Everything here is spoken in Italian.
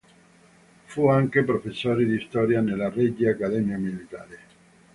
Fu anche professore di storia nella Regia accademia militare.